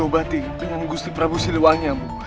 amu pasti bakal diobati ambu dengan gusti prabu siliwangi amu